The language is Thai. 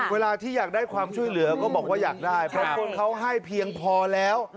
เวลาที่อยากได้ความช่วยเหลือก็บอกว่าอยากได้เพราะคนเขาให้เพียงพอแล้ว